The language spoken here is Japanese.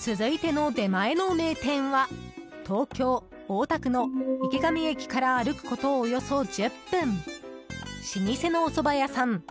続いての出前の名店は東京・大田区の池上駅から歩くことおよそ１０分老舗のおそば屋さん